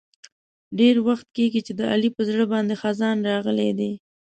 ډېر وخت کېږي چې د علي په زړه باندې خزان راغلی دی.